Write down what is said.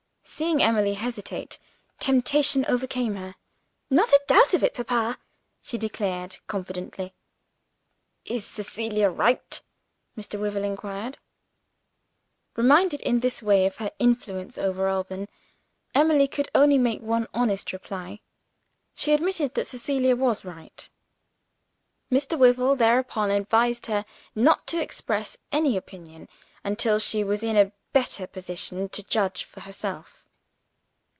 Seeing Emily hesitate, temptation overcame her. "Not a doubt of it, papa!" she declared confidently. "Is Cecilia right?" Mr. Wyvil inquired. Reminded in this way of her influence over Alban, Emily could only make one honest reply. She admitted that Cecilia was right. Mr. Wyvil thereupon advised her not to express any opinion, until she was in a better position to judge for herself.